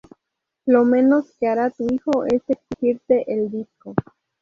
lo menos que hará tu hijo es exigirte el disco